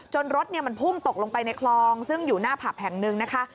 รถมันพุ่งตกลงไปในคลองซึ่งอยู่หน้าผับแห่งหนึ่งนะคะ